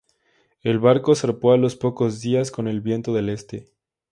El barco zarpó a los pocos días con el viento del este.